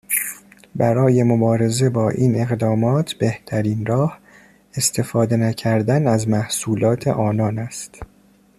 برای مبارزه با این اقدامات، بهترین راه، استفاده نکردن از محصولات آنان است